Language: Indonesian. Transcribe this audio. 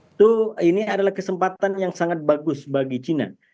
itu ini adalah kesempatan yang sangat bagus bagi cina